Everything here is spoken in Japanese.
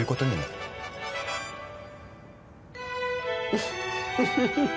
フフフフフ。